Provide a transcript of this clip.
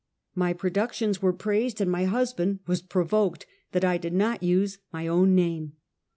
My productions were praised, and my husband was provoked that I did not use my own name.